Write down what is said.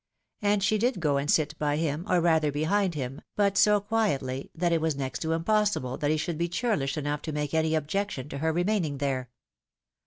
And she did go and sit by him, or rather behind him, but so quietly, that it was next to impossible that he should be churlish enough to make any objection to her remaining there.